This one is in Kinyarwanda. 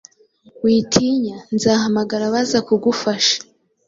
Witinya, nzahamagara abaza kugufasha